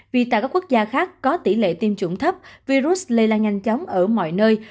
vì tại các quốc gia khác có tỷ lệ tiêm chủng thấp virus lây lan nhanh chóng ở mọi nơi